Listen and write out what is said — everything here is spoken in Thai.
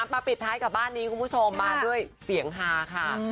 ปิดท้ายกับบ้านนี้คุณผู้ชมมาด้วยเสียงฮาค่ะ